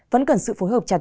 vẫn cần sự phối hợp chặt